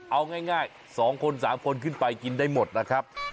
เอาง่าย๒คน๓คนขึ้นไปกินได้หมดนะครับ